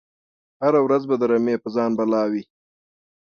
هره ورځ به د رمی په ځان بلا وي